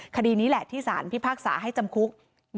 คดีนี้แหละที่สารพิพากษาให้จำคุก